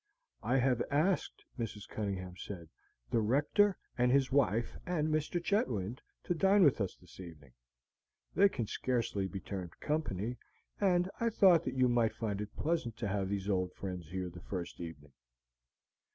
"I have asked," Mrs. Cunningham said, "the Rector and his wife and Mr. Chetwynd to dine with us this evening; they can scarcely be termed company, and I thought that you might find it pleasant to have these old friends here the first evening.